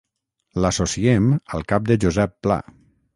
L'associem al cap de Josep Pla.